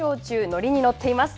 乗りに乗っています。